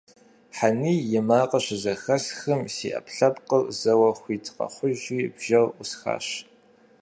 Хъаний и макъыр щызэхэсхым, си Ӏэпкълъэпкъыр зэуэ хуит къэхъужри бжэр Ӏусхащ.